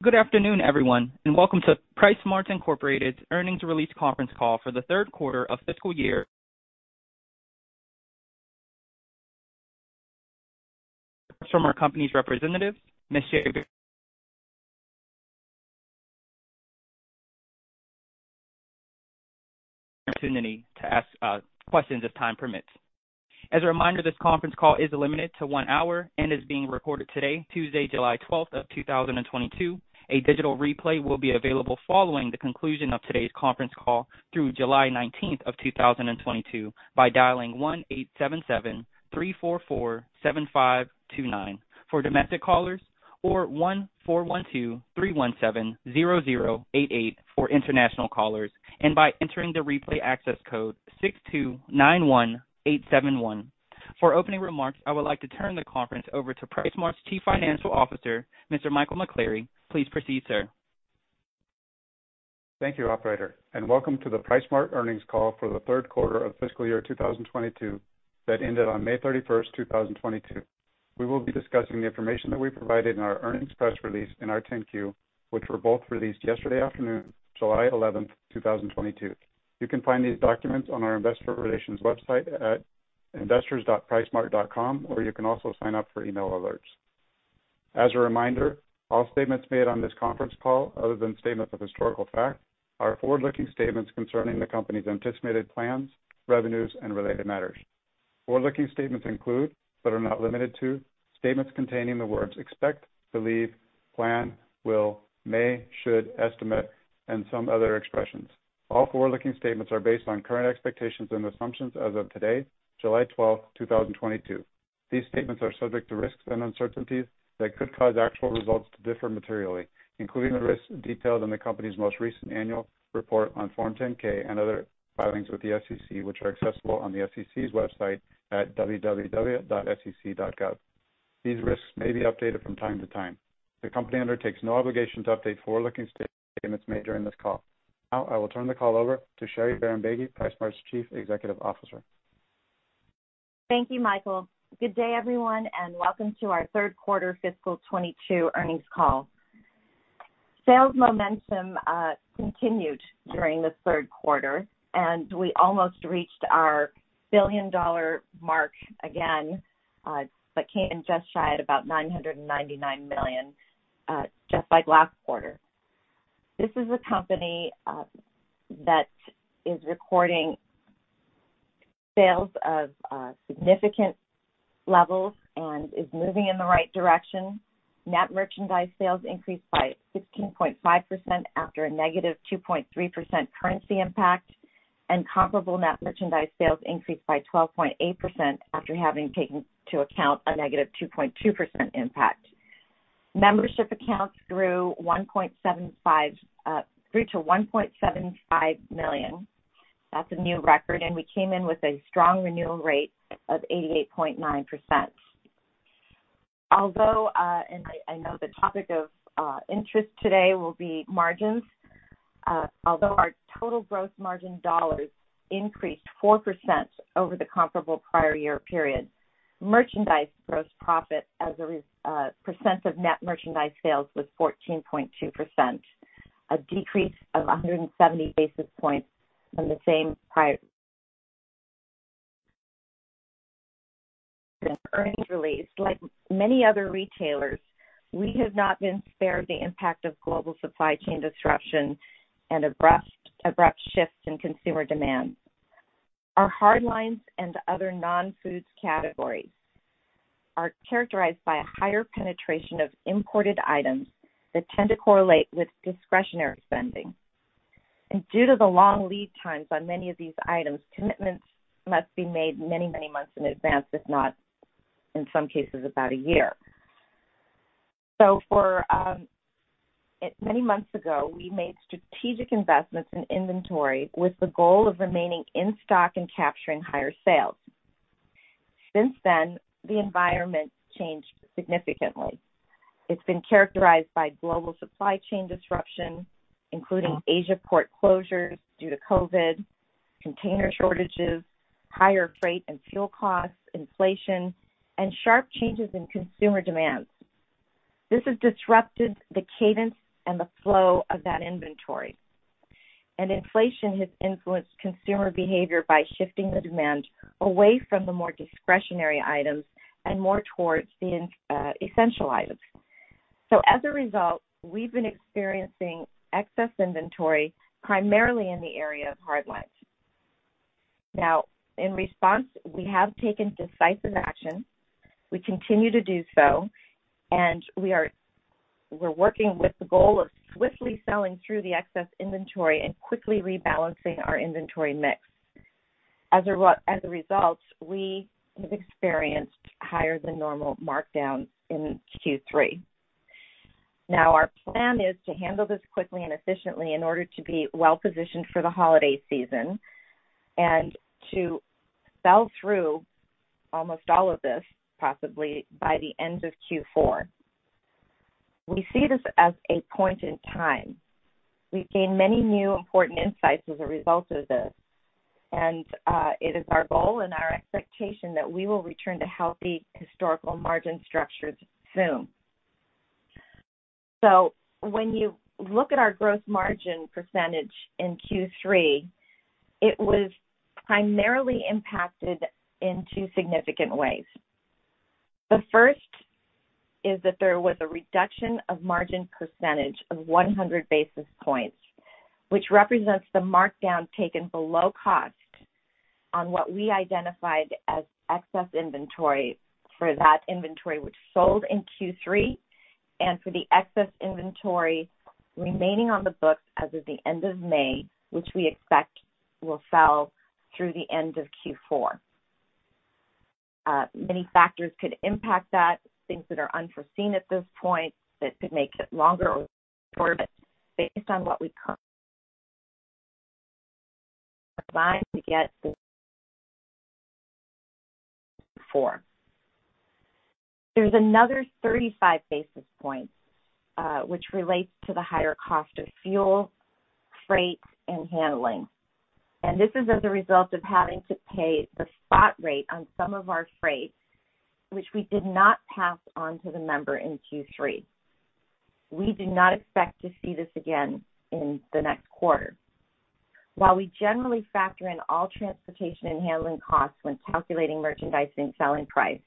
Good afternoon, everyone, and welcome to PriceSmart, Inc. Earnings Release Conference Call for the third quarter of fiscal year. From our company's representatives, Ms. Sherry Bahrambeygui. There will be an opportunity to ask questions if time permits. As a reminder, this conference call is limited to one hour and is being recorded today, Tuesday, July twelfth of two thousand and twenty-two. A digital replay will be available following the conclusion of today's conference call through July nineteenth of two thousand and twenty-two by dialing 1-877-344-7529 for domestic callers, or 1-412-317-0088 for international callers, and by entering the replay access code 6291871. For opening remarks, I would like to turn the conference over to PriceSmart's Chief Financial Officer, Mr. Michael McCleary. Please proceed, sir. Thank you, Operator, and welcome to the PriceSmart Earnings Call for the third quarter of fiscal year 2022 that ended on May 31, 2022. We will be discussing the information that we provided in our earnings press release in our Form 10-Q, which were both released yesterday afternoon, July 11, 2022. You can find these documents on our investor relations website at investors.pricesmart.com, or you can also sign up for email alerts. As a reminder, all statements made on this conference call, other than statements of historical fact, are forward-looking statements concerning the company's anticipated plans, revenues, and related matters. Forward-looking statements include, but are not limited to, statements containing the words expect, believe, plan, will, may, should, estimate, and some other expressions. All forward-looking statements are based on current expectations and assumptions as of today, July twelfth, two thousand and twenty-two. These statements are subject to risks and uncertainties that could cause actual results to differ materially, including the risks detailed in the company's most recent annual report on Form 10-K and other filings with the SEC, which are accessible on the SEC's website at www.sec.gov. These risks may be updated from time to time. The company undertakes no obligation to update forward-looking statements made during this call. Now I will turn the call over to Sherry Bahrambeygui, PriceSmart's Chief Executive Officer. Thank you, Michael. Good day, everyone, and welcome to our third quarter fiscal 2022 earnings call. Sales momentum continued during the third quarter, and we almost reached our billion-dollar mark again, but came in just shy at about $999 million, just like last quarter. This is a company that is recording sales of significant levels and is moving in the right direction. Net merchandise sales increased by 16.5% after a -2.3% currency impact, and comparable net merchandise sales increased by 12.8% after having taken into account a -2.2% impact. Membership accounts grew to 1.75 million. That's a new record, and we came in with a strong renewal rate of 88.9%. I know the topic of interest today will be margins, although our total gross margin dollars increased 4% over the comparable prior year period, merchandise gross profit as a percent of net merchandise sales was 14.2%, a decrease of 170 basis points from the same prior earnings release. Like many other retailers, we have not been spared the impact of global supply chain disruption and abrupt shifts in consumer demand. Our hard lines and other non-foods categories are characterized by a higher penetration of imported items that tend to correlate with discretionary spending. Due to the long lead times on many of these items, commitments must be made many months in advance, if not in some cases, about a year. Many months ago, we made strategic investments in inventory with the goal of remaining in stock and capturing higher sales. Since then, the environment changed significantly. It's been characterized by global supply chain disruption, including Asia port closures due to COVID, container shortages, higher freight and fuel costs, inflation, and sharp changes in consumer demands. This has disrupted the cadence and the flow of that inventory. Inflation has influenced consumer behavior by shifting the demand away from the more discretionary items and more towards the essential items. As a result, we've been experiencing excess inventory primarily in the area of hard lines. Now, in response, we have taken decisive action. We continue to do so, and we're working with the goal of swiftly selling through the excess inventory and quickly rebalancing our inventory mix. As a result, we have experienced higher than normal markdown in Q3. Now, our plan is to handle this quickly and efficiently in order to be well-positioned for the holiday season and to sell through almost all of this, possibly by the end of Q4. We see this as a point in time. We've gained many new important insights as a result of this. It is our goal and our expectation that we will return to healthy historical margin structures soon. When you look at our gross margin percentage in Q3, it was primarily impacted in two significant ways. The first is that there was a reduction of margin percentage of 100 basis points, which represents the markdown taken below cost on what we identified as excess inventory for that inventory, which sold in Q3 and for the excess inventory remaining on the books as of the end of May, which we expect will sell through the end of Q4. Many factors could impact that, things that are unforeseen at this point that could make it longer or shorter. There's another 35 basis points, which relates to the higher cost of fuel, freight, and handling. This is as a result of having to pay the spot rate on some of our freight, which we did not pass on to the member in Q3. We do not expect to see this again in the next quarter. While we generally factor in all transportation and handling costs when calculating merchandising selling price,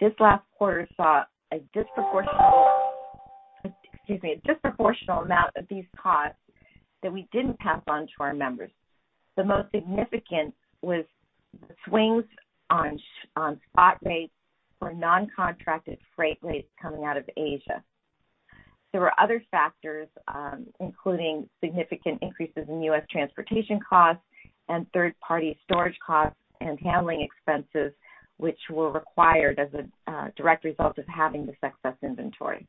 this last quarter saw a disproportional amount of these costs that we didn't pass on to our members. The most significant was the swings on spot rates for non-contracted freight rates coming out of Asia. There were other factors, including significant increases in U.S. transportation costs and third-party storage costs and handling expenses, which were required as a direct result of having this excess inventory.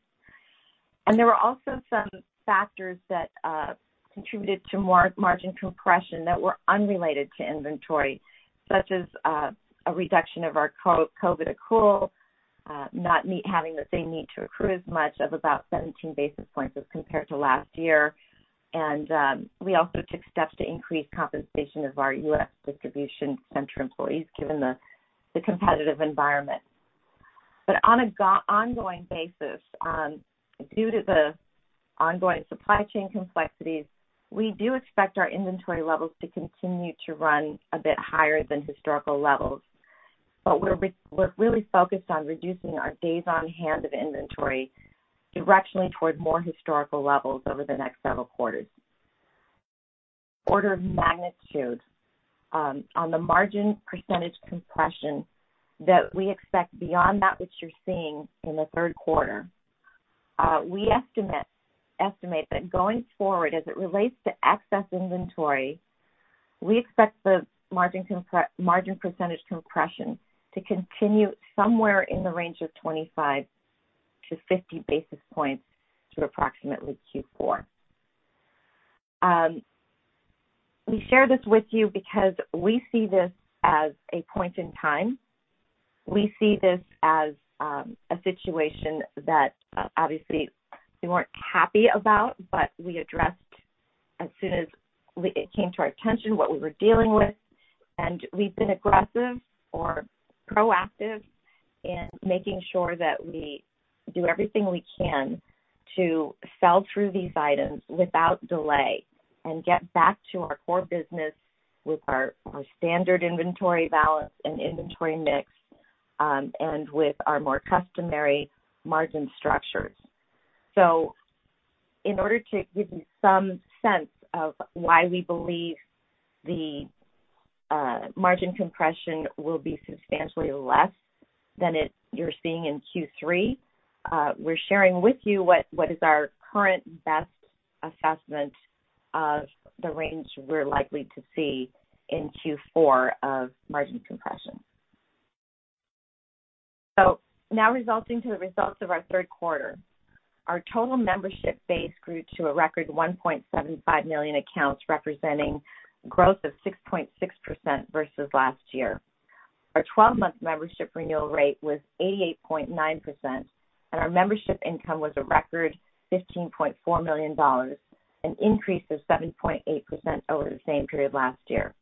There were also some factors that contributed to margin compression that were unrelated to inventory, such as a reduction of our COVID accrual, not having the same need to accrue as much of about 17 basis points as compared to last year. We also took steps to increase compensation of our U.S. distribution center employees, given the competitive environment. On an ongoing basis, due to the ongoing supply chain complexities, we do expect our inventory levels to continue to run a bit higher than historical levels. We're really focused on reducing our days on hand of inventory directionally toward more historical levels over the next several quarters. Order of magnitude, on the margin percentage compression that we expect beyond that which you're seeing in the third quarter, we estimate that going forward, as it relates to excess inventory, we expect the margin percentage compression to continue somewhere in the range of 25-50 basis points through approximately Q4. We share this with you because we see this as a point in time. We see this as a situation that obviously we weren't happy about, but we addressed as soon as it came to our attention, what we were dealing with, and we've been aggressive or proactive in making sure that we do everything we can to sell through these items without delay and get back to our core business with our standard inventory balance and inventory mix, and with our more customary margin structures. In order to give you some sense of why we believe the margin compression will be substantially less than what you're seeing in Q3, we're sharing with you what is our current best assessment of the range we're likely to see in Q4 of margin compression. Now turning to the results of our third quarter. Our total membership base grew to a record 1.75 million accounts, representing growth of 6.6% versus last year. Our twelve-month membership renewal rate was 88.9%, and our membership income was a record $15.4 million, an increase of 7.8% over the same period last year.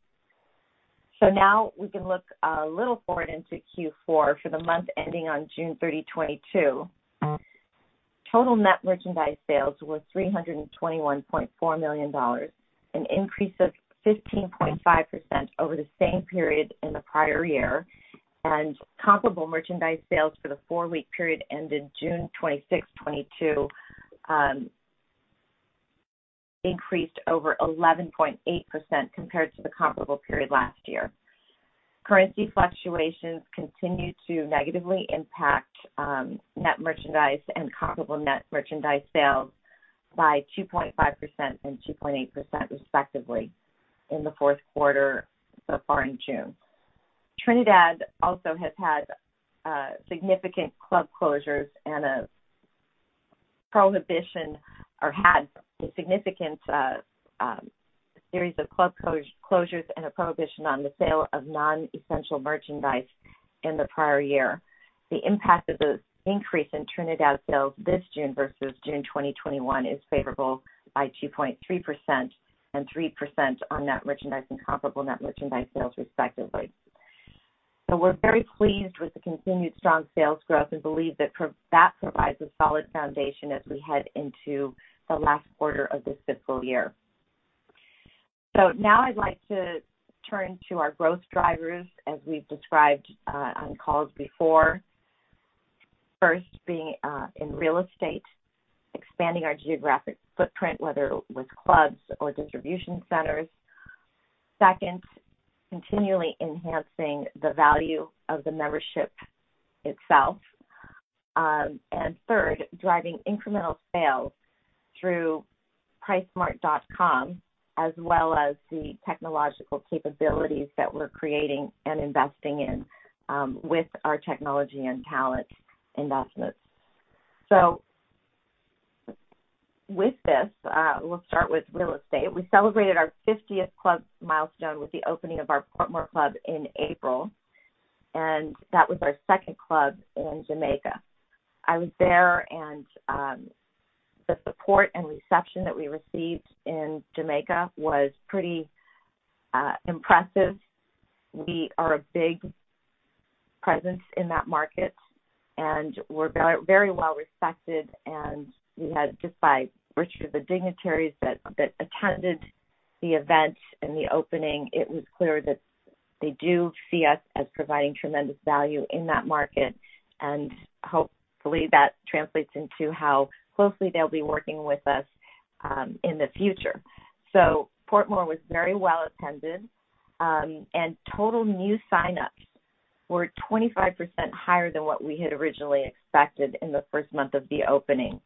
Now we can look a little forward into Q4 for the month ending on June 30, 2022. Total net merchandise sales was $321.4 million, an increase of 15.5% over the same period in the prior year. Comparable merchandise sales for the four-week period ended June 26, 2022, increased over 11.8% compared to the comparable period last year. Currency fluctuations continued to negatively impact net merchandise and comparable net merchandise sales by 2.5% and 2.8% respectively in the fourth quarter so far in June. Trinidad also had significant club closures and a prohibition on the sale of non-essential merchandise. In the prior year, the impact of the increase in Trinidad sales this June versus June 2021 is favorable by 2.3% and 3% on net merchandise and comparable net merchandise sales, respectively. We're very pleased with the continued strong sales growth and believe that provides a solid foundation as we head into the last quarter of this fiscal year. Now I'd like to turn to our growth drivers as we've described on calls before. First, being in real estate, expanding our geographic footprint, whether it was clubs or distribution centers. Second, continually enhancing the value of the membership itself. Third, driving incremental sales through PriceSmart.com as well as the technological capabilities that we're creating and investing in, with our technology and talent investments. With this, we'll start with real estate. We celebrated our 50th club milestone with the opening of our Portmore club in April, and that was our second club in Jamaica. I was there, and the support and reception that we received in Jamaica was pretty impressive. We are a big presence in that market, and we're very, very well respected, and we had just by virtue of the dignitaries that attended the event and the opening. It was clear that they do see us as providing tremendous value in that market. Hopefully, that translates into how closely they'll be working with us in the future. Portmore was very well attended, and total new signups were 25% higher than what we had originally expected in the first month of the opening.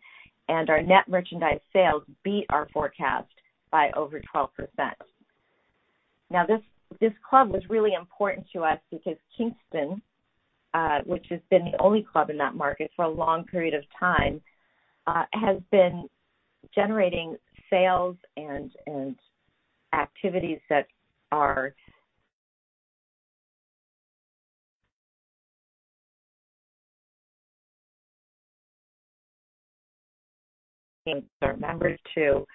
Our net merchandise sales beat our forecast by over 12%. Now this club was really important to us because Kingston, which has been the only club in that market for a long period of time, has been generating sales and activities that are our members too.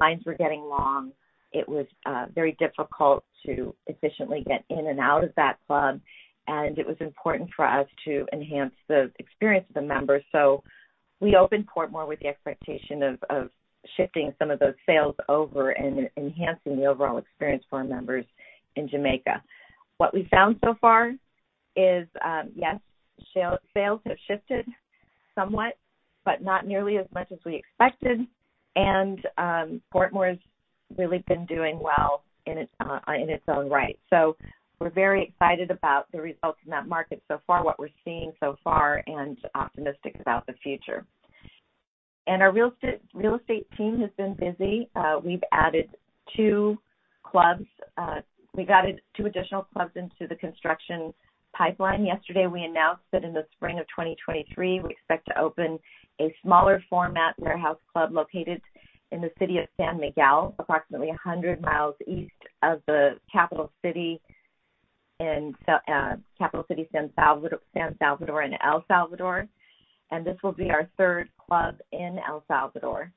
Lines were getting long. It was very difficult to efficiently get in and out of that club, and it was important for us to enhance the experience of the members. We opened Portmore with the expectation of shifting some of those sales over and enhancing the overall experience for our members in Jamaica. What we found so far is, yes, sales have shifted somewhat, but not nearly as much as we expected. Portmore has really been doing well in its own right. We're very excited about the results in that market so far, what we're seeing so far and optimistic about the future. Our real estate team has been busy. We've added two clubs. We've added two additional clubs into the construction pipeline. Yesterday, we announced that in the spring of 2023, we expect to open a smaller format warehouse club located in the city of San Miguel, approximately 100 miles east of the capital city, San Salvador in El Salvador. This will be our third club in El Salvador.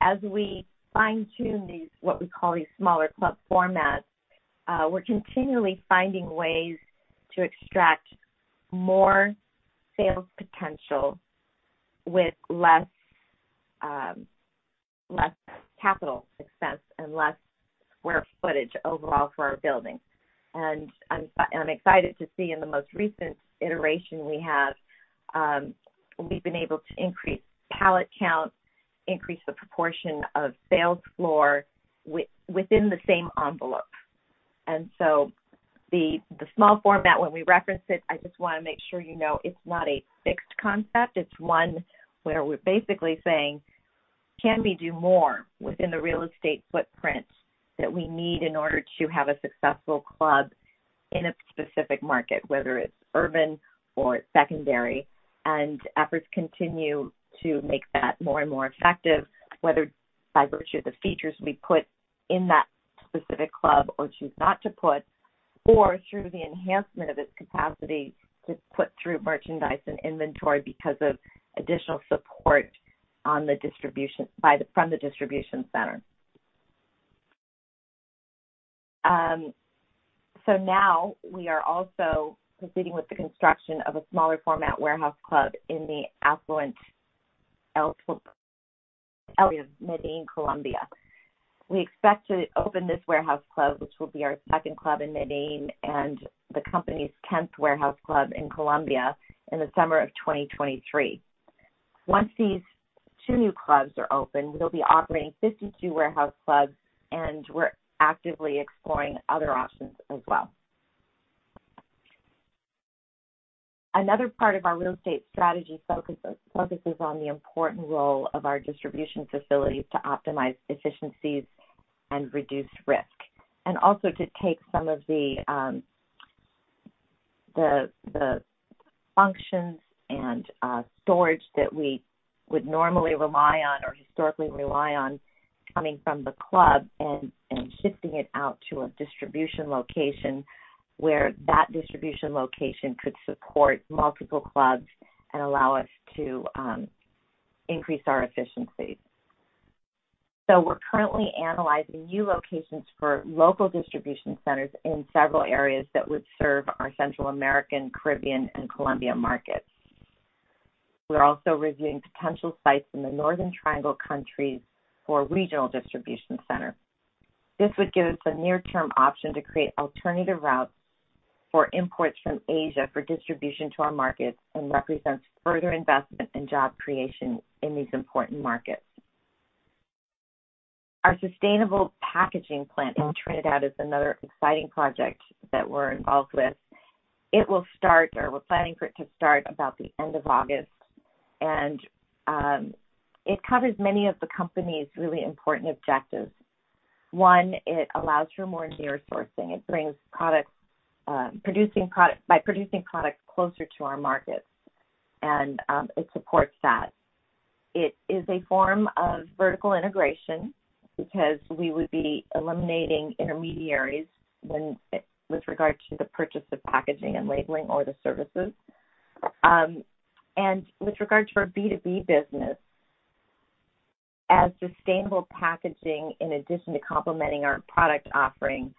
As we fine-tune these, what we call these smaller club formats, we're continually finding ways to extract more sales potential with less capital expense and less square footage overall for our building. I'm excited to see in the most recent iteration we have, we've been able to increase pallet count, increase the proportion of sales floor within the same envelope. The small format, when we reference it, I just wanna make sure you know it's not a fixed concept. It's one where we're basically saying, can we do more within the real estate footprint that we need in order to have a successful club in a specific market, whether it's urban or it's secondary? Efforts continue to make that more and more effective, whether by virtue of the features we put in that specific club or choose not to put, or through the enhancement of its capacity to put through merchandise and inventory because of additional support from the distribution center. Now we are also proceeding with the construction of a smaller format warehouse club in the affluent El Poblado area of Medellín, Colombia. We expect to open this warehouse club, which will be our second club in Medellín and the company's tenth warehouse club in Colombia in the summer of 2023. Once these two new clubs are open, we'll be operating 52 warehouse clubs, and we're actively exploring other options as well. Another part of our real estate strategy focuses on the important role of our distribution facilities to optimize efficiencies and reduce risk, to take some of the functions and storage that we would normally rely on or historically rely on coming from the club and shifting it out to a distribution location where that distribution location could support multiple clubs and allow us to increase our efficiency. We're currently analyzing new locations for local distribution centers in several areas that would serve our Central American, Caribbean, and Colombia markets. We're also reviewing potential sites in the Northern Triangle countries for regional distribution center. This would give us a near-term option to create alternative routes for imports from Asia for distribution to our markets and represents further investment and job creation in these important markets. Our sustainable packaging plant in Trinidad is another exciting project that we're involved with. It will start, or we're planning for it to start about the end of August. It covers many of the company's really important objectives. One, it allows for more near sourcing. It brings products by producing products closer to our markets, and it supports that. It is a form of vertical integration because we would be eliminating intermediaries when with regard to the purchase of packaging and labeling or the services. With regards for B2B business, sustainable packaging, in addition to complementing our product offering,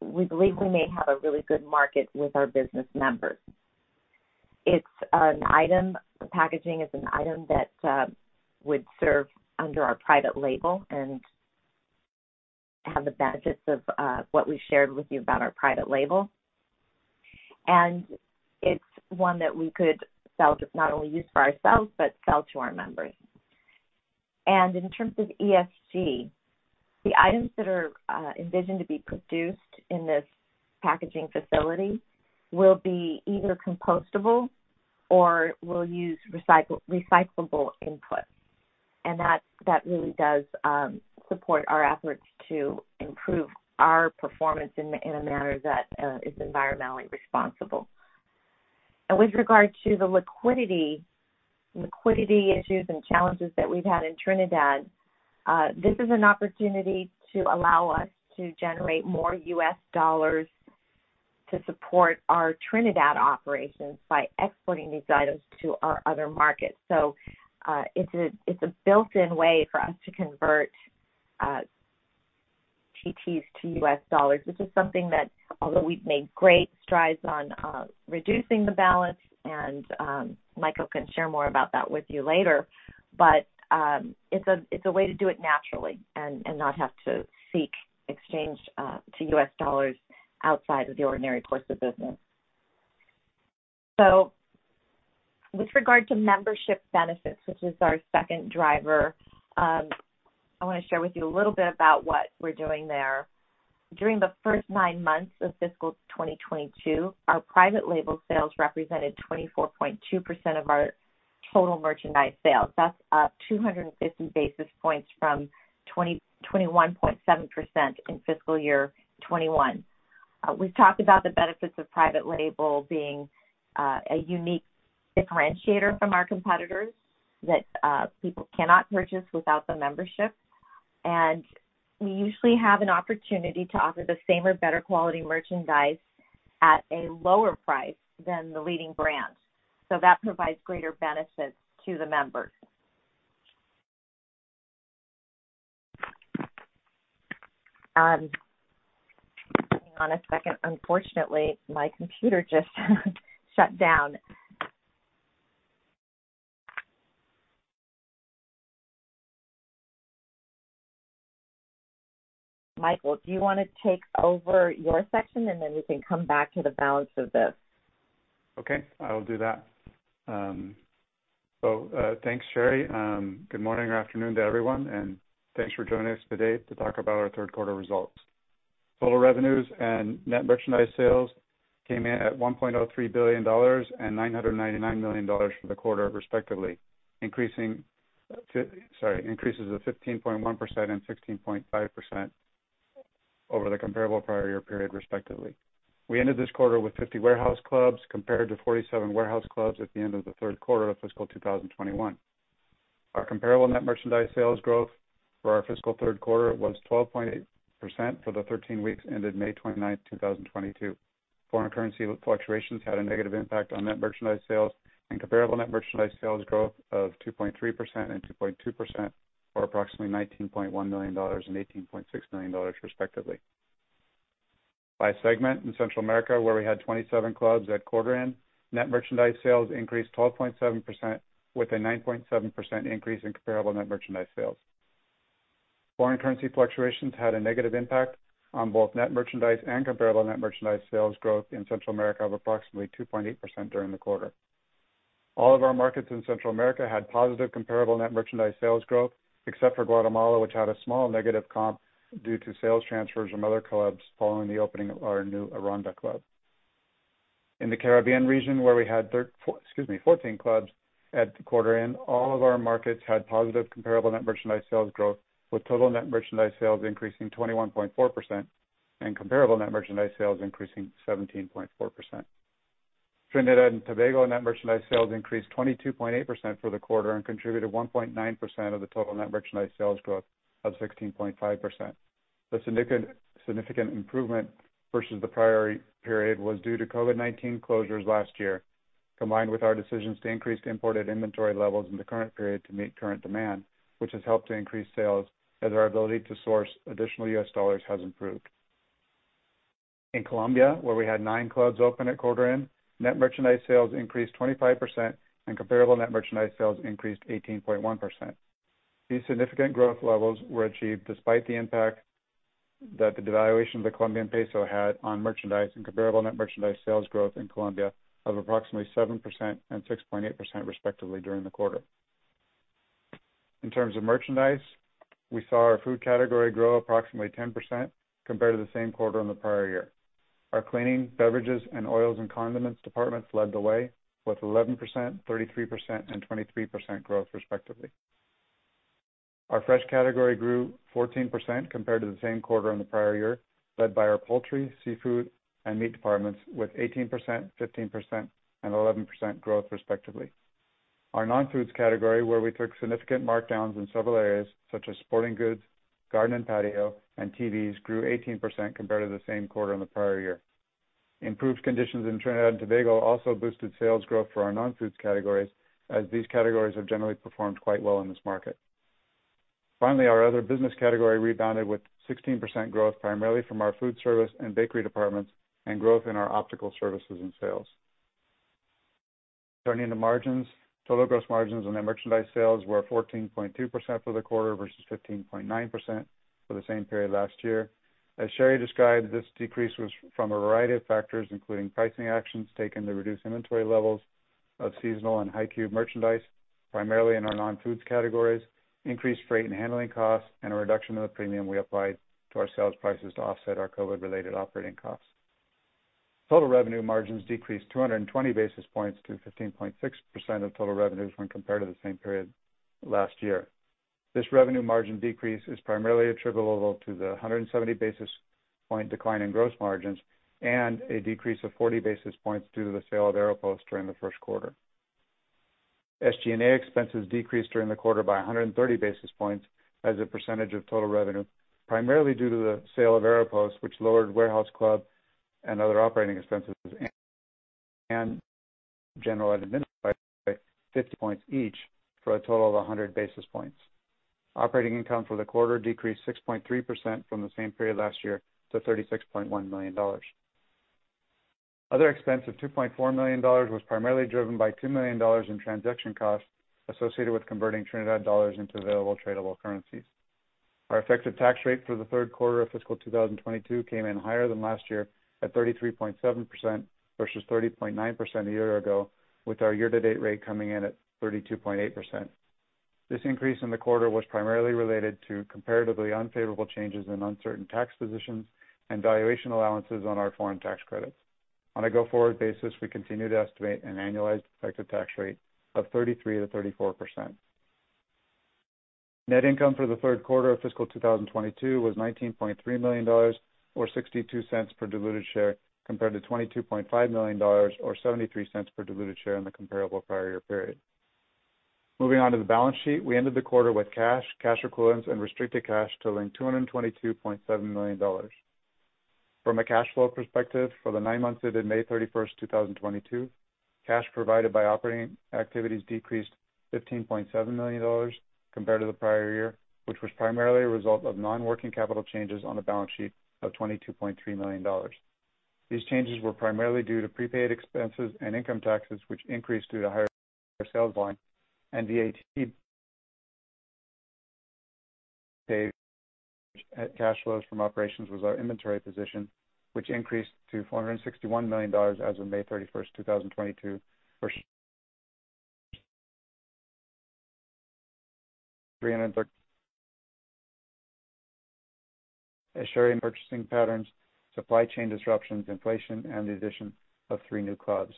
we believe we may have a really good market with our business members. It's an item. The packaging is an item that would serve under our private label and have the benefits of what we shared with you about our private label. It's one that we could sell, just not only use for ourselves, but sell to our members. In terms of ESG, the items that are envisioned to be produced in this packaging facility will be either compostable or will use recyclable input. That really does support our efforts to improve our performance in a manner that is environmentally responsible. With regard to the liquidity issues and challenges that we've had in Trinidad, this is an opportunity to allow us to generate more US dollars to support our Trinidad operations by exporting these items to our other markets. It's a built-in way for us to convert TTs to US dollars. This is something that, although we've made great strides on reducing the balance, and Michael McCleary can share more about that with you later, but it's a way to do it naturally and not have to seek exchange to US dollars outside of the ordinary course of business. With regard to membership benefits, which is our second driver, I wanna share with you a little bit about what we're doing there. During the first nine months of fiscal 2022, our private label sales represented 24.2% of our total merchandise sales. That's up 250 basis points from 21.7% in fiscal year 2021. We've talked about the benefits of private label being a unique differentiator from our competitors that people cannot purchase without the membership. We usually have an opportunity to offer the same or better quality merchandise at a lower price than the leading brands. That provides greater benefits to the members. Hang on a second. Unfortunately, my computer just shut down. Michael McCleary, do you wanna take over your section, and then we can come back to the balance of this? Okay, I will do that. Thanks, Sherry. Good morning or afternoon to everyone, and thanks for joining us today to talk about our third quarter results. Total revenues and net merchandise sales came in at $1.03 billion and $999 million for the quarter respectively. Increases of 15.1% and 16.5% over the comparable prior year period, respectively. We ended this quarter with 50 warehouse clubs compared to 47 warehouse clubs at the end of the third quarter of fiscal 2021. Our comparable net merchandise sales growth for our fiscal third quarter was 12.8% for the 13 weeks ended May 29, 2022. Foreign currency fluctuations had a negative impact on net merchandise sales and comparable net merchandise sales growth of 2.3% and 2.2% for approximately $19.1 million and $18.6 million, respectively. By segment, in Central America, where we had 27 clubs at quarter end, net merchandise sales increased 12.7% with a 9.7% increase in comparable net merchandise sales. Foreign currency fluctuations had a negative impact on both net merchandise and comparable net merchandise sales growth in Central America of approximately 2.8% during the quarter. All of our markets in Central America had positive comparable net merchandise sales growth except for Guatemala, which had a small negative comp due to sales transfers from other clubs following the opening of our new Aranda club. In the Caribbean region, where we had 14 clubs at the quarter end, all of our markets had positive comparable net merchandise sales growth, with total net merchandise sales increasing 21.4% and comparable net merchandise sales increasing 17.4%. Trinidad and Tobago net merchandise sales increased 22.8% for the quarter and contributed 1.9% of the total net merchandise sales growth of 16.5%. The significant improvement versus the prior period was due to COVID-19 closures last year, combined with our decisions to increase imported inventory levels in the current period to meet current demand, which has helped to increase sales as our ability to source additional US dollars has improved. In Colombia, where we had 9 clubs open at quarter end, net merchandise sales increased 25% and comparable net merchandise sales increased 18.1%. These significant growth levels were achieved despite the impact that the devaluation of the Colombian peso had on merchandise and comparable net merchandise sales growth in Colombia of approximately 7% and 6.8% respectively during the quarter. In terms of merchandise, we saw our food category grow approximately 10% compared to the same quarter in the prior year. Our cleaning, beverages, and oils and condiments departments led the way with 11%, 33%, and 23% growth respectively. Our fresh category grew 14% compared to the same quarter in the prior year, led by our poultry, seafood, and meat departments with 18%, 15%, and 11% growth respectively. Our non-foods category, where we took significant markdowns in several areas such as sporting goods, garden and patio, and TVs, grew 18% compared to the same quarter in the prior year. Improved conditions in Trinidad and Tobago also boosted sales growth for our non-foods categories as these categories have generally performed quite well in this market. Finally, our other business category rebounded with 16% growth, primarily from our food service and bakery departments and growth in our optical services and sales. Turning to margins. Total gross margins on net merchandise sales were 14.2% for the quarter versus 15.9% for the same period last year. As Sherry described, this decrease was from a variety of factors, including pricing actions taken to reduce inventory levels of seasonal and high cube merchandise, primarily in our non-foods categories, increased freight and handling costs, and a reduction in the premium we applied to our sales prices to offset our COVID-related operating costs. Total revenue margins decreased 220 basis points to 15.6% of total revenues when compared to the same period last year. This revenue margin decrease is primarily attributable to the 170 basis point decline in gross margins and a decrease of 40 basis points due to the sale of Aeropost during the first quarter. SG&A expenses decreased during the quarter by 130 basis points as a percentage of total revenue, primarily due to the sale of Aeropost, which lowered warehouse club and other operating expenses and general and administrative by 50 points each for a total of 100 basis points. Operating income for the quarter decreased 6.3% from the same period last year to $36.1 million. Other expense of $2.4 million was primarily driven by $2 million in transaction costs associated with converting Trinidad dollars into available tradable currencies. Our effective tax rate for the third quarter of fiscal 2022 came in higher than last year at 33.7% versus 30.9% a year ago, with our year-to-date rate coming in at 32.8%. This increase in the quarter was primarily related to comparatively unfavorable changes in uncertain tax positions and valuation allowances on our foreign tax credits. On a go-forward basis, we continue to estimate an annualized effective tax rate of 33% to 34%. Net income for the third quarter of fiscal 2022 was $19.3 million or $0.62 per diluted share, compared to $22.5 million or $0.73 per diluted share in the comparable prior year period. Moving on to the balance sheet. We ended the quarter with cash equivalents and restricted cash totaling $222.7 million. From a cash flow perspective, for the nine months ended May 31, 2022, cash provided by operating activities decreased $15.7 million compared to the prior year, which was primarily a result of non-working capital changes on the balance sheet of $22.3 million. These changes were primarily due to prepaid expenses and income taxes, which increased due to higher sales line and the VAT paid. Cash flows from operations was our inventory position, which increased to $461 million as of May 31, 2022 versus three hundred and as Sherry purchasing patterns, supply chain disruptions, inflation and the addition of three new clubs.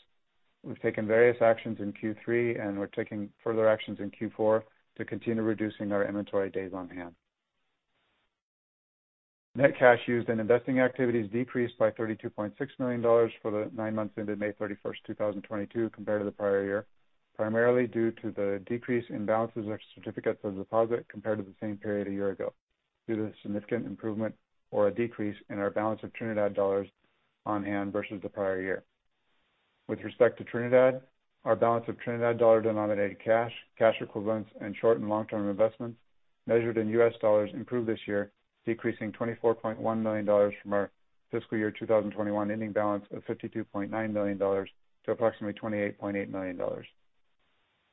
We've taken various actions in Q3, and we're taking further actions in Q4 to continue reducing our inventory days on hand. Net cash used in investing activities decreased by $32.6 million for the nine months ended May 31, 2022 compared to the prior year, primarily due to the decrease in balances of certificates of deposit compared to the same period a year ago, due to the significant improvement or a decrease in our balance of Trinidad dollars on hand versus the prior year. With respect to Trinidad, our balance of Trinidad dollar-denominated cash equivalents, and short and long-term investments measured in U.S. dollars improved this year, decreasing $24.1 million from our fiscal year 2021 ending balance of $52.9 million to approximately $28.8 million.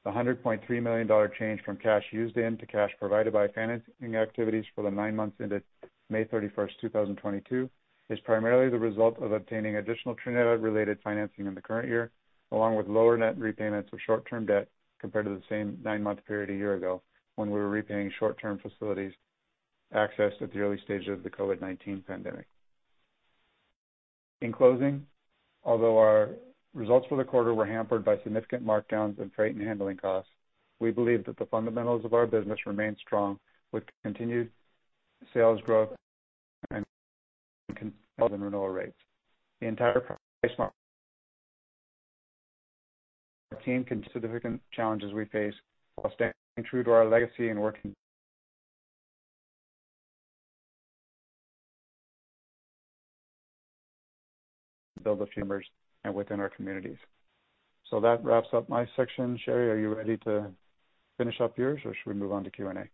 A $100.3 million change from cash used in to cash provided by financing activities for the nine months ended May 31, 2022 is primarily the result of obtaining additional Trinidad related financing in the current year, along with lower net repayments of short-term debt compared to the same nine-month period a year ago when we were repaying short-term facilities accessed at the early stages of the COVID-19 pandemic. In closing, although our results for the quarter were hampered by significant markdowns and freight and handling costs, we believe that the fundamentals of our business remain strong, with continued sales growth and continued renewal rates. The entire PriceSmart team has navigated significant challenges we face while staying true to our legacy and working to build a future for members and within our communities. That wraps up my section. Sherry, are you ready to finish up yours, or should we move on to Q&A?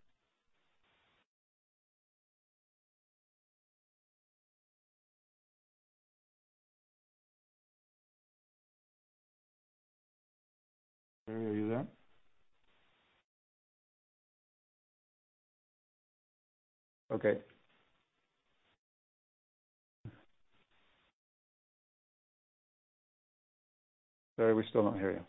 Sherry, are you there? Okay. Sherry, we still don't hear you.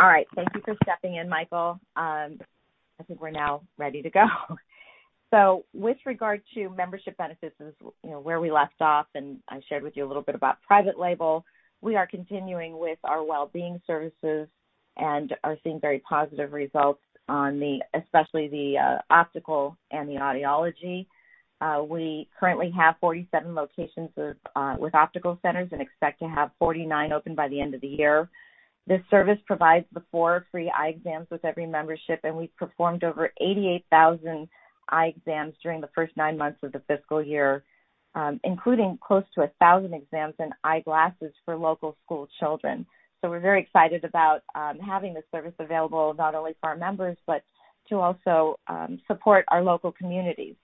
All right. Thank you for stepping in, Michael. I think we're now ready to go. With regard to membership benefits is, you know, where we left off, and I shared with you a little bit about private label. We are continuing with our well-being services and are seeing very positive results on the, especially the, optical and the audiology. We currently have 47 locations with optical centers and expect to have 49 open by the end of the year. This service provides four free eye exams with every membership, and we've performed over 88,000 eye exams during the first nine months of the fiscal year, including close to 1,000 exams and eyeglasses for local school children. We're very excited about having this service available not only for our members, but to also support our local communities.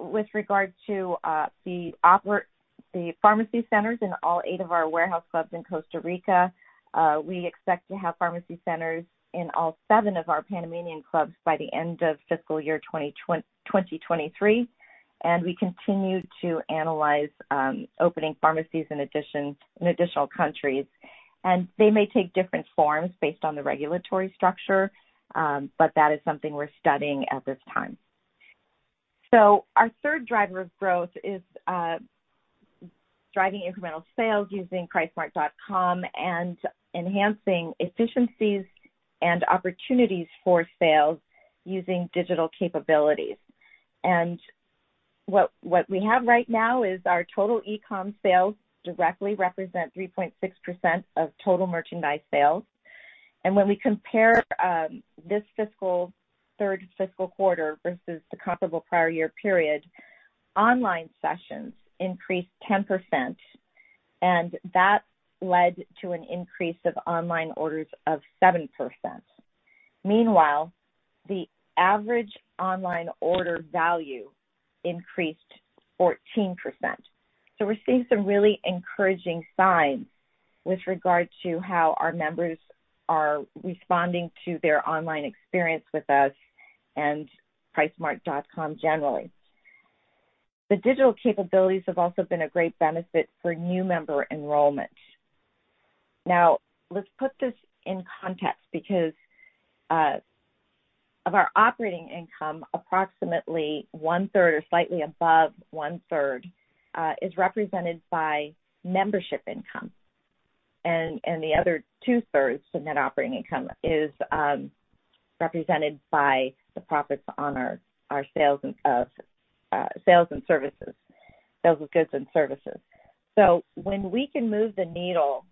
With regard to the pharmacy centers in all eight of our warehouse clubs in Costa Rica, we expect to have pharmacy centers in all seven of our Panamanian clubs by the end of fiscal year 2023, and we continue to analyze opening pharmacies in additional countries. They may take different forms based on the regulatory structure, but that is something we're studying at this time. Our third driver of growth is driving incremental sales using pricesmart.com and enhancing efficiencies and opportunities for sales using digital capabilities. What we have right now is our total e-com sales directly represent 3.6% of total merchandise sales. When we compare this fiscal third quarter versus the comparable prior year period, online sessions increased 10%, and that led to an increase of online orders of 7%. Meanwhile, the average online order value increased 14%. We're seeing some really encouraging signs with regard to how our members are responding to their online experience with us and PriceSmart.com generally. The digital capabilities have also been a great benefit for new member enrollment. Now let's put this in context because of our operating income, approximately 1/3 or slightly above 1/3 is represented by membership income, and the other 2/3 of net operating income is represented by the profits on our sales and services, sales of goods and services. When we can move the needle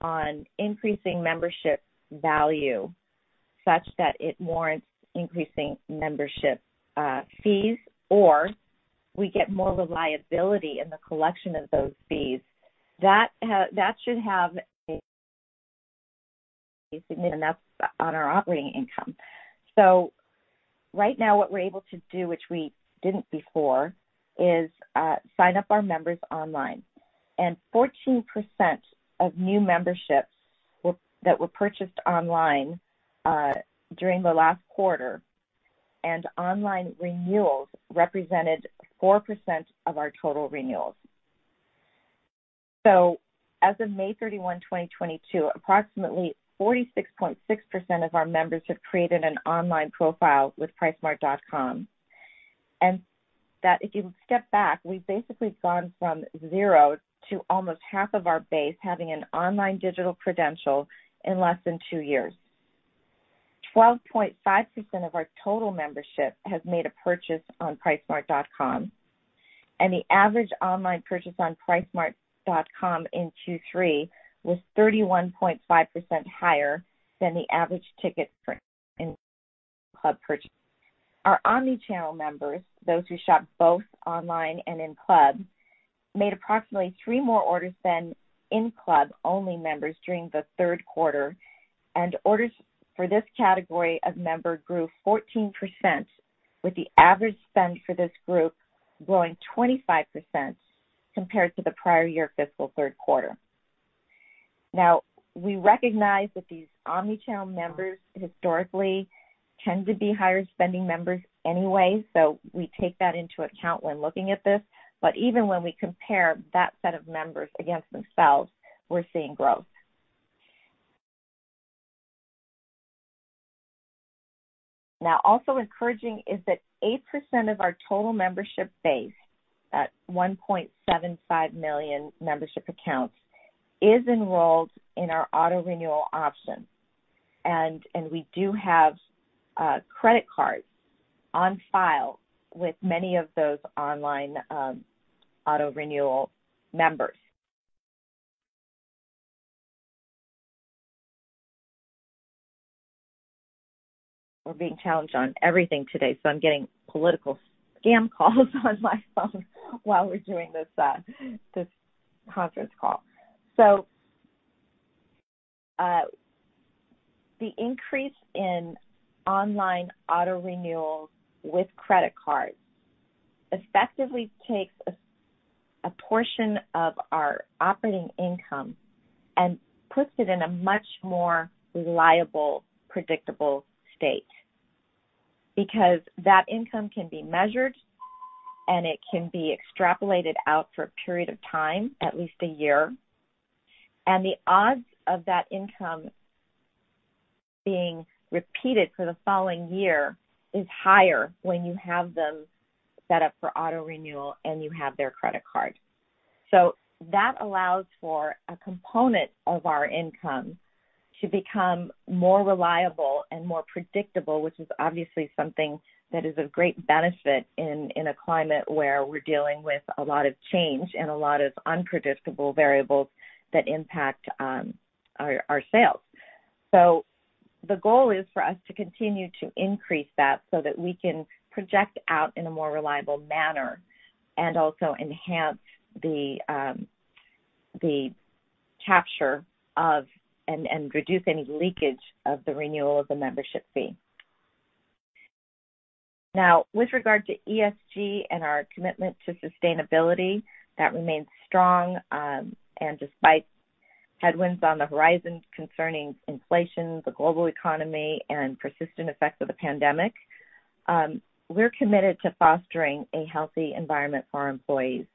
on increasing membership value such that it warrants increasing membership fees or we get more reliability in the collection of those fees, that should have a significant impact on our operating income. Right now, what we're able to do, which we didn't before, is sign up our members online. 14% of new memberships that were purchased online during the last quarter, and online renewals represented 4% of our total renewals. As of May 31, 2022, approximately 46.6% of our members have created an online profile with pricesmart.com. That. If you step back, we've basically gone from zero to almost half of our base having an online digital credential in less than two years. 12.5% of our total membership has made a purchase on pricesmart.com, and the average online purchase on pricesmart.com in 2023 was 31.5% higher than the average ticket in-club purchase. Our omni-channel members, those who shop both online and in-club, made approximately three more orders than in-club-only members during the third quarter, and orders for this category of member grew 14%, with the average spend for this group growing 25% compared to the prior year fiscal third quarter. Now, we recognize that these omni-channel members historically tend to be higher spending members anyway, so we take that into account when looking at this. Even when we compare that set of members against themselves, we're seeing growth. Now also encouraging is that 8% of our total membership base, that 1.75 million membership accounts, is enrolled in our auto renewal option. We do have credit cards on file with many of those online auto renewal members. We're being challenged on everything today, so I'm getting political scam calls on my phone while we're doing this conference call. The increase in online auto renewals with credit cards effectively takes a portion of our operating income and puts it in a much more reliable, predictable state. Because that income can be measured, and it can be extrapolated out for a period of time, at least a year. The odds of that income being repeated for the following year is higher when you have them set up for auto renewal and you have their credit card. That allows for a component of our income to become more reliable and more predictable, which is obviously something that is of great benefit in a climate where we're dealing with a lot of change and a lot of unpredictable variables that impact our sales. The goal is for us to continue to increase that so that we can project out in a more reliable manner and also enhance the capture of and reduce any leakage of the renewal of the membership fee. Now, with regard to ESG and our commitment to sustainability, that remains strong. Despite headwinds on the horizon concerning inflation, the global economy, and persistent effects of the pandemic, we're committed to fostering a healthy environment for our employees.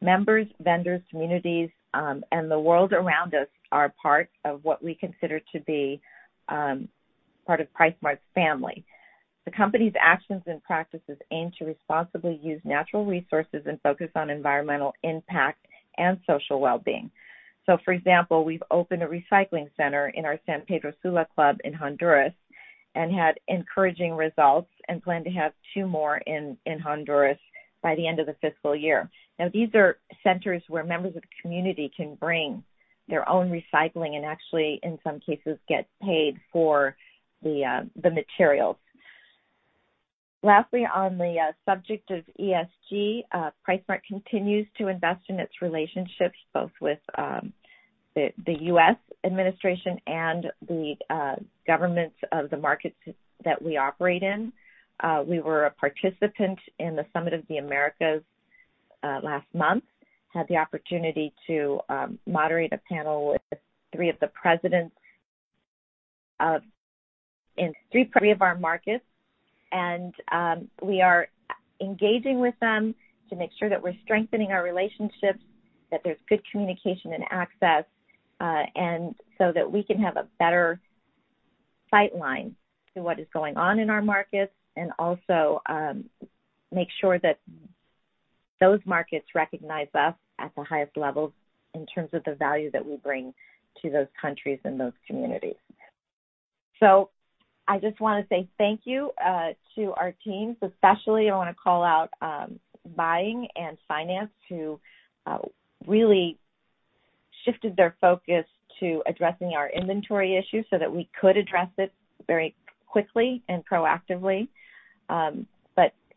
Members, vendors, communities, and the world around us are part of what we consider to be part of PriceSmart's family. The company's actions and practices aim to responsibly use natural resources and focus on environmental impact and social well-being. For example, we've opened a recycling center in our San Pedro Sula club in Honduras and had encouraging results and plan to have two more in Honduras by the end of the fiscal year. Now, these are centers where members of the community can bring their own recycling and actually, in some cases, get paid for the materials. Lastly, on the subject of ESG, PriceSmart continues to invest in its relationships, both with the U.S. administration and the governments of the markets that we operate in. We were a participant in the Summit of the Americas last month. Had the opportunity to moderate a panel with three of the presidents in three of our markets. We are engaging with them to make sure that we're strengthening our relationships, that there's good communication and access, and so that we can have a better sight line to what is going on in our markets and also make sure that those markets recognize us at the highest levels in terms of the value that we bring to those countries and those communities. I just wanna say thank you to our teams. Especially, I wanna call out buying and finance, who really shifted their focus to addressing our inventory issues so that we could address it very quickly and proactively.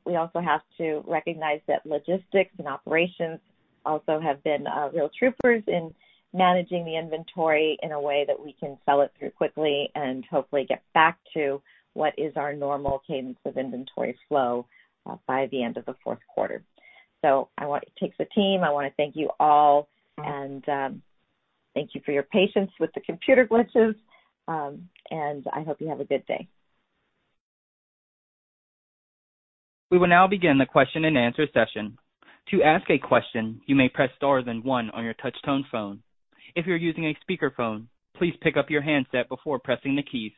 We also have to recognize that logistics and operations also have been real troopers in managing the inventory in a way that we can sell it through quickly and hopefully get back to what is our normal cadence of inventory flow by the end of the fourth quarter. It takes a team. I wanna thank you all, and thank you for your patience with the computer glitches. I hope you have a good day. We will now begin the question-and-answer session. To ask a question, you may press star then one on your touch tone phone. If you're using a speakerphone, please pick up your handset before pressing the keys.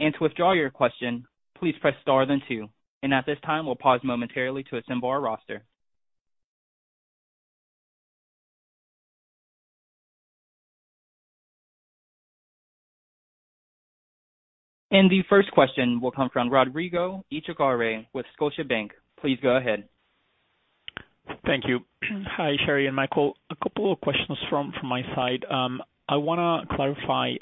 To withdraw your question, please press star then two. At this time, we'll pause momentarily to assemble our roster. The first question will come from Rodrigo Echagaray with Scotiabank. Please go ahead Thank you. Hi, Sherry and Michael. A couple of questions from my side. I wanna clarify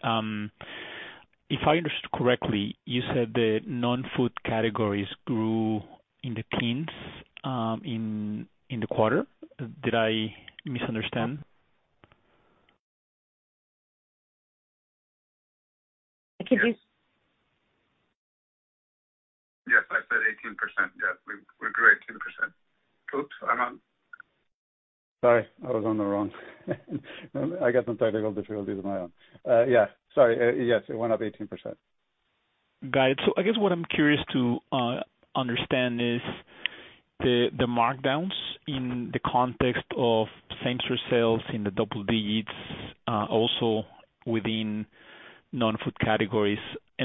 if I understood correctly, you said the non-food categories grew in the teens in the quarter. Did I misunderstand. I think he's- Yes, I said 18%. Yes, we grew 18%. Klaus, am I wrong? Sorry, I got some technical difficulties of my own. Yeah, sorry. Yes, it went up 18%. Got it. I guess what I'm curious to understand is the markdowns in the context of same store sales in the double digits, also within non-food categories.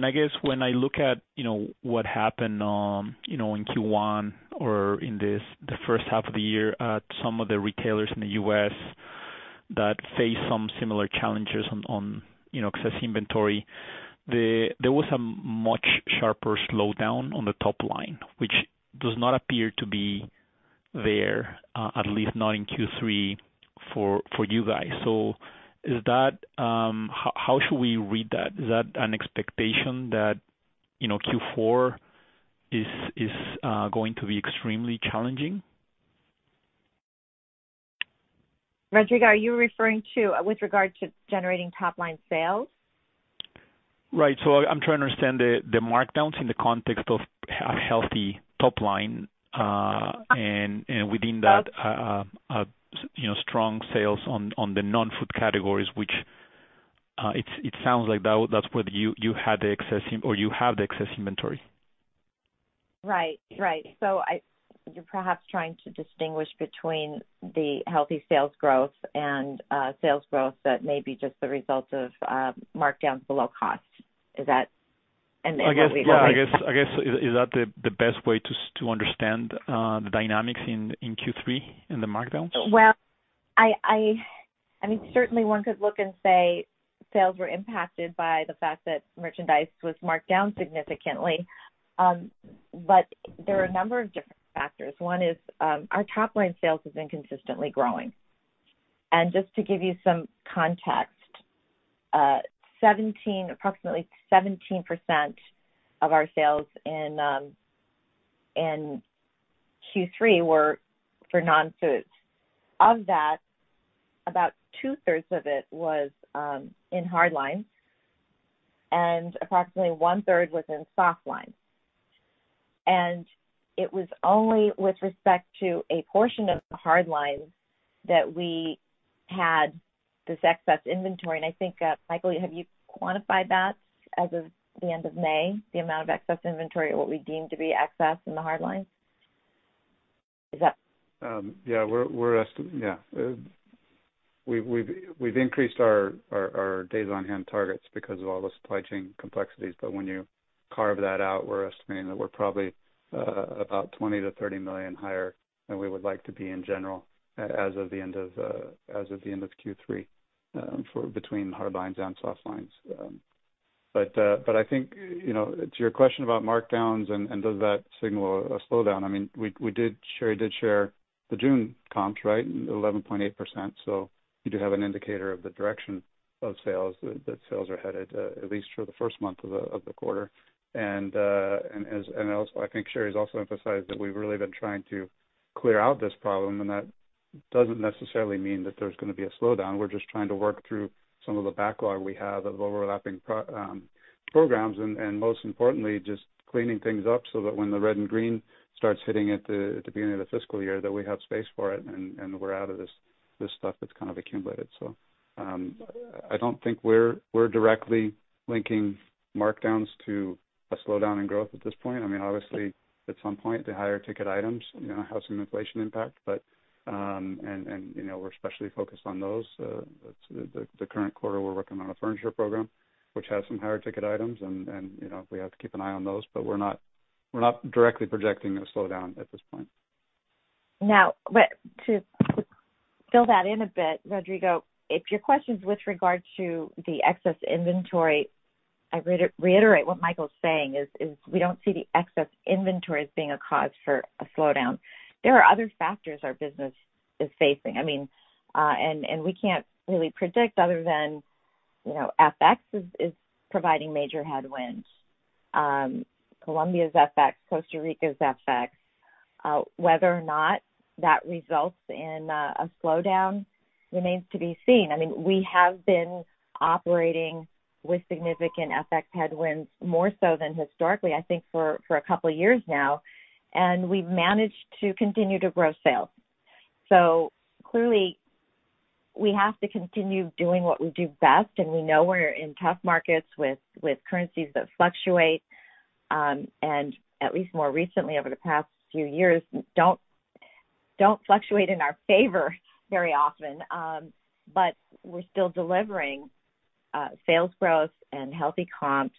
I guess when I look at you know, what happened you know, in Q1 or in this the first half of the year at some of the retailers in the U.S. that face some similar challenges on you know, excess inventory, there was a much sharper slowdown on the top line, which does not appear to be there at least not in Q3 for you guys. How should we read that? Is that an expectation that you know, Q4 is going to be extremely challenging? Rodrigo, are you referring to with regard to generating top line sales? Right. I'm trying to understand the markdowns in the context of a healthy top line, and within that, you know, strong sales on the non-food categories, which it sounds like that's where you have the excess inventory. Right. You're perhaps trying to distinguish between the healthy sales growth and sales growth that may be just the result of markdowns below cost. Is that? I guess, yeah. Is that the best way to understand the dynamics in Q3 in the markdowns? Well, I mean, certainly one could look and say sales were impacted by the fact that merchandise was marked down significantly. There are a number of different factors. One is, our top line sales has been consistently growing. Just to give you some context, approximately 17% of our sales in Q3 were for non-food. Of that, about 2/3 of it was in hard lines, and approximately 1/3 was in soft lines. It was only with respect to a portion of the hard lines that we had this excess inventory. I think, Michael, have you quantified that as of the end of May, the amount of excess inventory or what we deemed to be excess in the hard lines? Is that We've increased our days on hand targets because of all the supply chain complexities, but when you carve that out, we're estimating that we're probably about $20 million to $30 million higher than we would like to be in general as of the end of Q3, for between hard lines and soft lines. But I think, you know, to your question about markdowns and does that signal a slowdown, I mean, Sherry did share the June comps, right? 11.8%. You do have an indicator of the direction of sales that sales are headed, at least for the first month of the quarter. I think Sherry's also emphasized that we've really been trying to clear out this problem, and that doesn't necessarily mean that there's gonna be a slowdown. We're just trying to work through some of the backlog we have of overlapping programs and most importantly, just cleaning things up so that when the red and green starts hitting at the beginning of the fiscal year, that we have space for it and we're out of this stuff that's kind of accumulated. I don't think we're directly linking markdowns to a slowdown in growth at this point. I mean, obviously at some point, the higher ticket items, you know, have some inflation impact. You know, we're especially focused on those. The current quarter, we're working on a furniture program, which has some higher ticket items and, you know, we have to keep an eye on those, but we're not directly projecting a slowdown at this point. Now, to fill that in a bit, Rodrigo, if your question is with regard to the excess inventory, I reiterate what Michael's saying, we don't see the excess inventory as being a cause for a slowdown. There are other factors our business is facing. I mean, we can't really predict other than, you know, FX is providing major headwinds. Colombia's FX, Costa Rica's FX, whether or not that results in a slowdown remains to be seen. I mean, we have been operating with significant FX headwinds more so than historically, I think, for a couple of years now, and we've managed to continue to grow sales. Clearly we have to continue doing what we do best, and we know we're in tough markets with currencies that fluctuate, and at least more recently over the past few years, don't fluctuate in our favor very often. We're still delivering sales growth and healthy comps,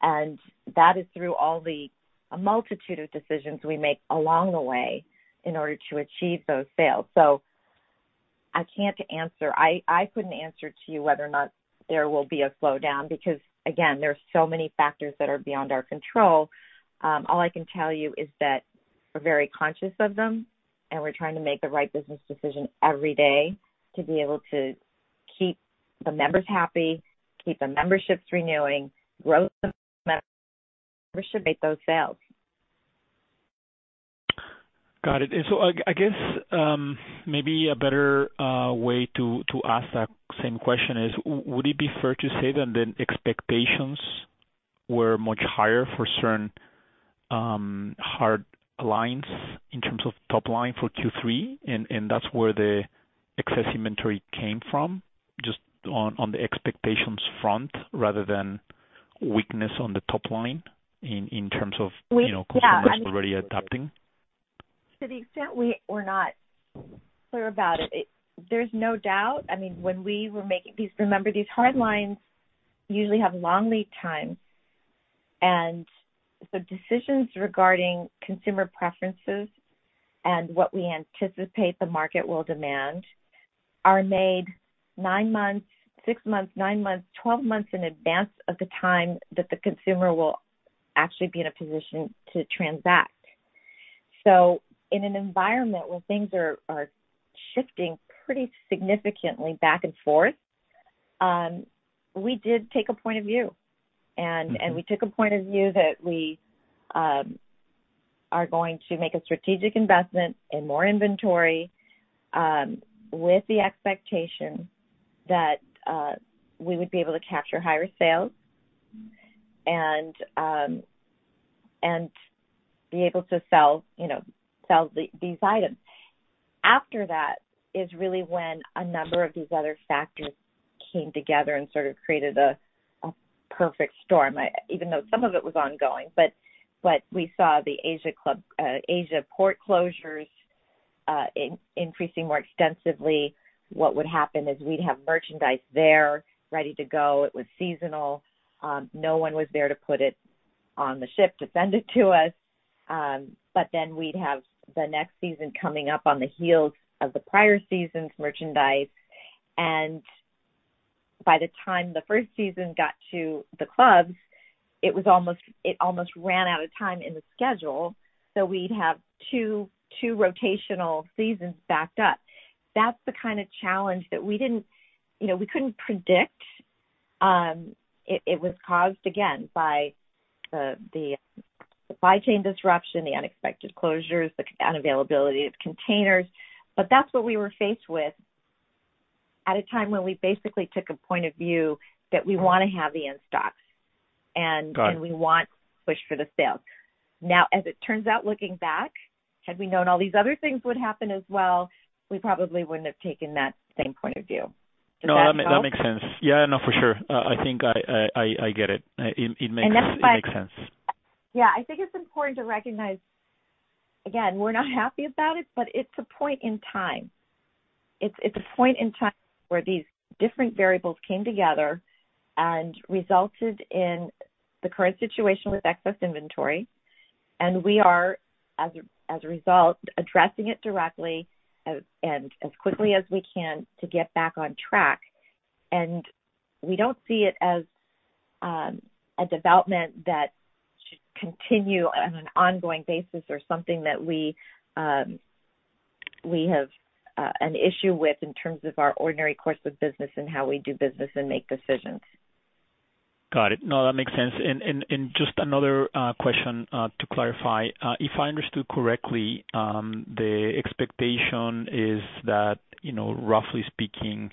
and that is through all the multitude of decisions we make along the way in order to achieve those sales. I couldn't answer to you whether or not there will be a slowdown because, again, there are so many factors that are beyond our control. All I can tell you is that we're very conscious of them, and we're trying to make the right business decision every day to be able to keep the members happy, keep the memberships renewing, grow the membership, make those sales. Got it. I guess maybe a better way to ask that same question is would it be fair to say that the expectations were much higher for certain hard lines in terms of top line for Q3, and that's where the excess inventory came from, just on the expectations front rather than weakness on the top line in terms of you know consumers already adapting. To the extent we were not clear about it, there's no doubt. I mean, when we were making these. Remember, these hard lines usually have long lead times. Decisions regarding consumer preferences and what we anticipate the market will demand are made nine months, six months, nine months, 12 months in advance of the time that the consumer will actually be in a position to transact. In an environment where things are shifting pretty significantly back and forth, we did take a point of view. Mm-hmm. We took a point of view that we are going to make a strategic investment in more inventory with the expectation that we would be able to capture higher sales and be able to sell, you know, these items. After that is really when a number of these other factors came together and sort of created a perfect storm, even though some of it was ongoing, but we saw the Asia port closures increasing more extensively. What would happen is we'd have merchandise there ready to go. It was seasonal. No one was there to put it on the ship to send it to us. But then we'd have the next season coming up on the heels of the prior season's merchandise. By the time the first season got to the clubs, it almost ran out of time in the schedule. We'd have two rotational seasons backed up. That's the kind of challenge that we didn't, you know, we couldn't predict. It was caused, again, by the supply chain disruption, the unexpected closures, the unavailability of containers. That's what we were faced with at a time when we basically took a point of view that we wanna have the in-stocks. Got it. We wanted to push for the sales. Now, as it turns out, looking back, had we known all these other things would happen as well, we probably wouldn't have taken that same point of view. Does that make sense? No, that makes sense. Yeah. No, for sure. I think I get it. It makes sense. I think it's important to recognize, again, we're not happy about it, but it's a point in time. It's a point in time where these different variables came together and resulted in the current situation with excess inventory. We are, as a result, addressing it directly and as quickly as we can to get back on track. We don't see it as a development that should continue on an ongoing basis or something that we have an issue with in terms of our ordinary course of business and how we do business and make decisions. Got it. No, that makes sense. Just another question to clarify. If I understood correctly, the expectation is that, you know, roughly speaking,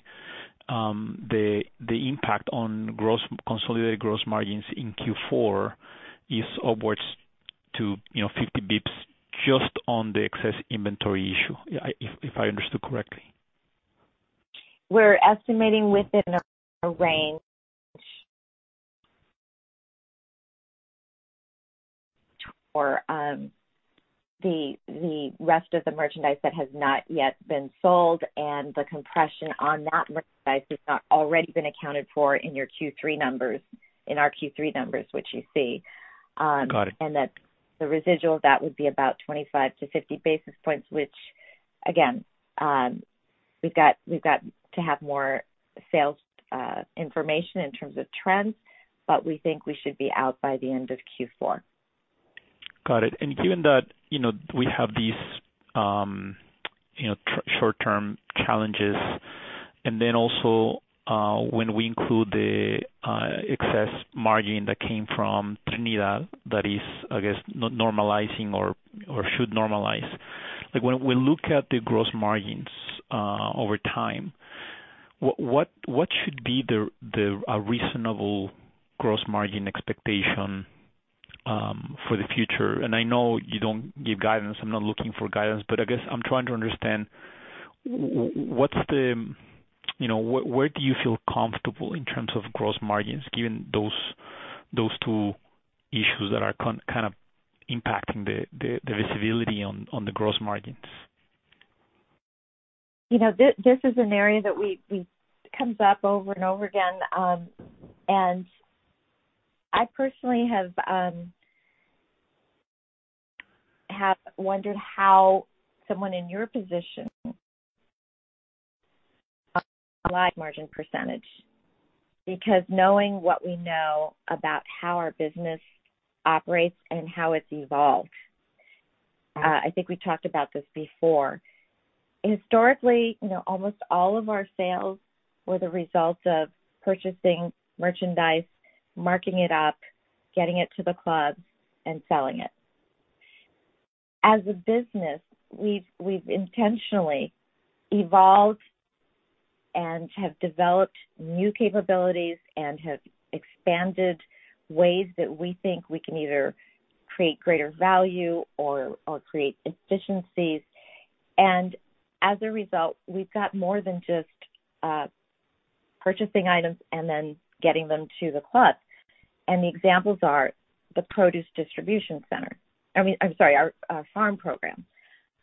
the impact on gross consolidated gross margins in Q4 is upwards to, you know, 50 basis points just on the excess inventory issue, if I understood correctly. We're estimating within a range for the rest of the merchandise that has not yet been sold, and the compression on that merchandise has not already been accounted for in our Q3 numbers, which you see. Got it. that the residual of that would be about 25 to 50 basis points, which again, we've got to have more sales information in terms of trends, but we think we should be out by the end of Q4. Got it. Given that, you know, we have these, you know, short term challenges, and then also, when we include the excess margin that came from Trinidad that is, I guess, normalizing or should normalize. Like when we look at the gross margins over time, what should be the reasonable gross margin expectation for the future? I know you don't give guidance, I'm not looking for guidance. I guess I'm trying to understand what's the, you know, where do you feel comfortable in terms of gross margins given those two issues that are kind of impacting the visibility on the gross margins? You know, this is an area that comes up over and over again. I personally have wondered how someone in your position views margin percentage. Because knowing what we know about how our business operates and how it's evolved, I think we've talked about this before. Historically, you know, almost all of our sales were the result of purchasing merchandise, marking it up, getting it to the clubs and selling it. As a business, we've intentionally evolved and have developed new capabilities and have expanded ways that we think we can either create greater value or create efficiencies. As a result, we've got more than just purchasing items and then getting them to the club. The examples are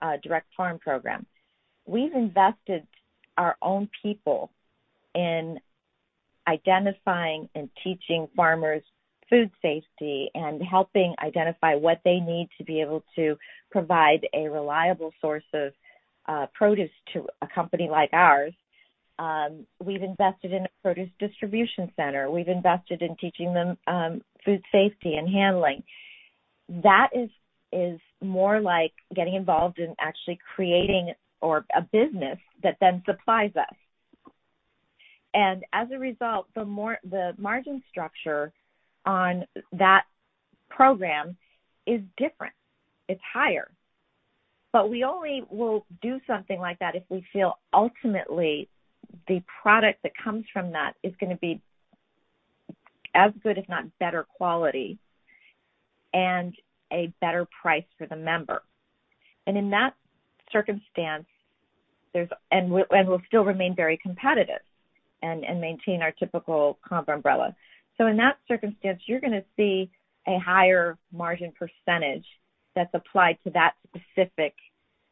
our direct farm program. We've invested our own people in identifying and teaching farmers food safety and helping identify what they need to be able to provide a reliable source of produce to a company like ours. We've invested in a produce distribution center. We've invested in teaching them food safety and handling. That is more like getting involved in actually creating or a business that then supplies us. As a result, the margin structure on that program is different, it's higher. We only will do something like that if we feel ultimately the product that comes from that is gonna be as good, if not better quality, and a better price for the member. In that circumstance, we'll still remain very competitive and maintain our typical comp umbrella. In that circumstance, you're gonna see a higher margin percentage that's applied to that specific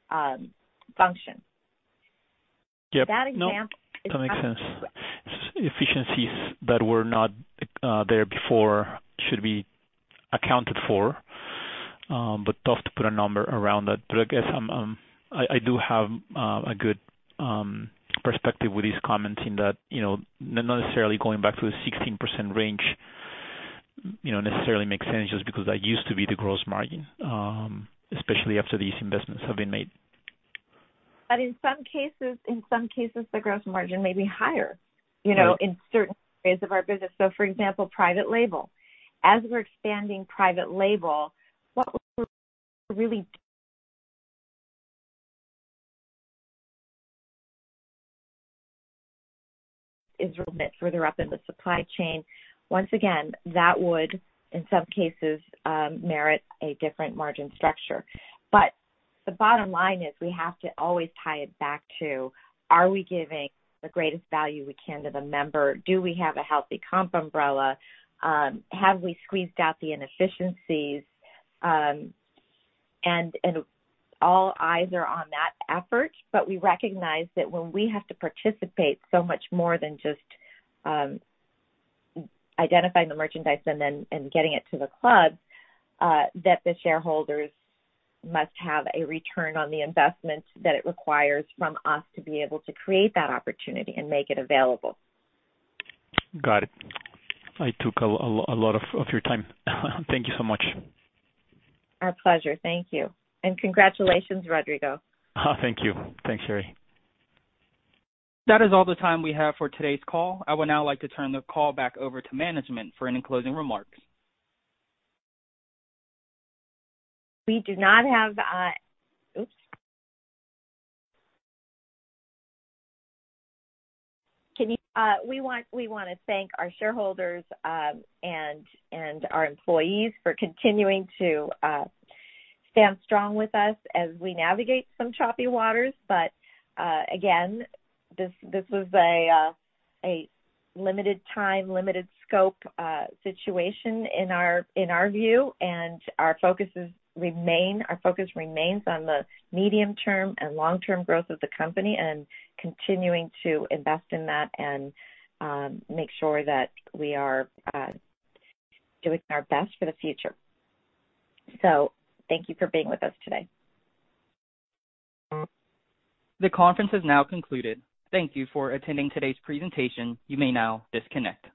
function. Yep. That example is- No, that makes sense. Efficiencies that were not there before should be accounted for, but tough to put a number around that. I guess I do have a good perspective with these comments in that, you know, necessarily going back to the 16% range, you know, necessarily makes sense just because that used to be the gross margin, especially after these investments have been made. In some cases, the gross margin may be higher. Right. You know, in certain areas of our business. For example, private label. As we're expanding private label, what we're really doing is movement further up in the supply chain. Once again, that would in some cases merit a different margin structure. The bottom line is we have to always tie it back to, are we giving the greatest value we can to the member? Do we have a healthy comp umbrella? Have we squeezed out the inefficiencies? And all eyes are on that effort, but we recognize that when we have to participate so much more than just identifying the merchandise and getting it to the club, that the shareholders must have a return on the investment that it requires from us to be able to create that opportunity and make it available. Got it. I took a lot of your time. Thank you so much. Our pleasure. Thank you. Congratulations, Rodrigo. Oh, thank you. Thanks, Sherry. That is all the time we have for today's call. I would now like to turn the call back over to management for any closing remarks. We wanna thank our shareholders and our employees for continuing to stand strong with us as we navigate some choppy waters. Again, this was a limited time, limited scope situation in our view, and our focus remains on the medium term and long-term growth of the company and continuing to invest in that and make sure that we are doing our best for the future. Thank you for being with us today. The conference is now concluded. Thank you for attending today's presentation. You may now disconnect.